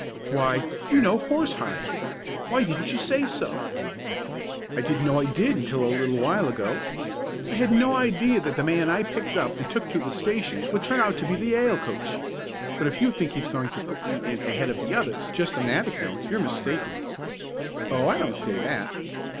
"Why, you know Horsehide! Why didn't you say so?" "I didn't know I did until a little while ago. I had no idea that the man I picked up and took to the station would turn out to be the Yale coach. But if you think he's going to put me in ahead of the others just on that account you're mistaken." "Oh, I don't say that."